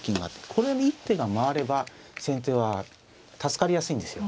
この一手が回れば先手は助かりやすいんですよ。